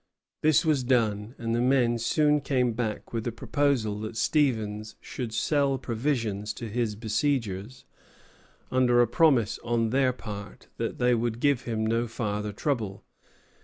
This was done, and the men soon came back with a proposal that Stevens should sell provisions to his besiegers, under a promise on their part that they would give him no farther trouble.